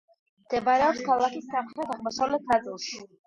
მდებარეობს ქალაქის სამხრეთ-აღმოსავლეთ ნაწილში.